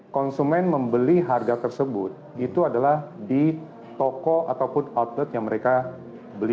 konsumen membeli harga tersebut itu adalah di toko ataupun outlet yang mereka beli